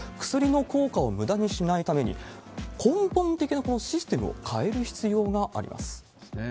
薬の効果をむだにしないために、根本的なこのシステムを変える必要があります。